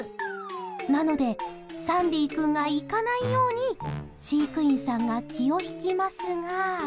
なので、サンディ君が行かないように飼育員さんが気を引きますが。